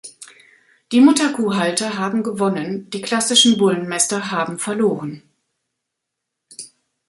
Die Mutterkuh-Halter haben gewonnen, die klassischen Bullenmäster haben verloren.